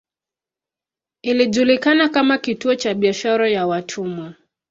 Ilijulikana kama kituo cha biashara ya watumwa.